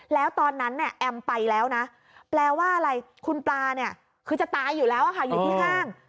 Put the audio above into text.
แล้วตอนนั้นเนี่ยแอมไปแล้วนะแปลว่าอะไรคุณปลาเนี่ยคือจะตายอยู่แล้วค่ะอยู่ที่ห้าง